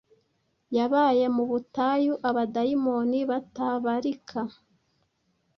Yabaye mu butayu abadayimoni batabarika